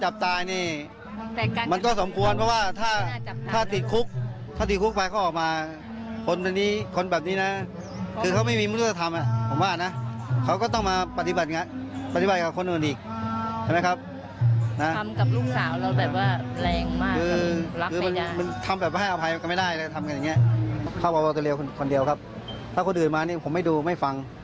เพราะว่ามันลวงมาเยอะแล้วครับตอนนี้